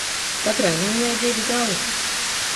Katrai nūjai divi gali.